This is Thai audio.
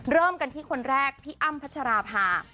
เริ่มกันที่คนแรกพี่อ้ำพัชราภา